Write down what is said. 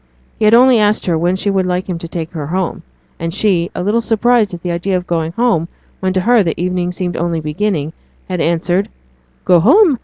He had only asked her when she would like him to take her home; and she, a little surprised at the idea of going home when to her the evening seemed only beginning, had answered 'Go home?